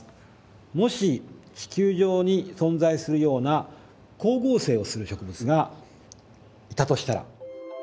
もし地球上に存在するような光合成をする植物がいたとしたら。